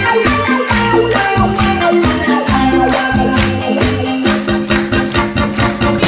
อินโทรเพลงที่๗มูลค่า๑แสนบาท